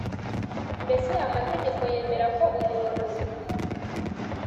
mbese amategeko yemera ko umuntu